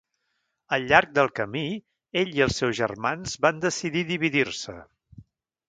Al llarg del camí, ell i els seus germans van decidir dividir-se.